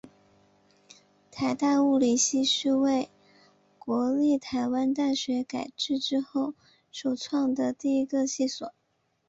台大物理系是为国立台湾大学改制之后首创的第一个系所。